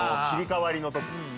切り替わりのとき。